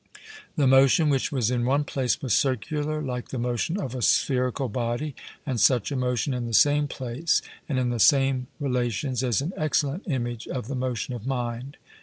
The motion which was in one place was circular, like the motion of a spherical body; and such a motion in the same place, and in the same relations, is an excellent image of the motion of mind.